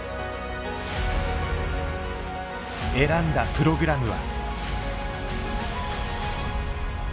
選んだプログラムは。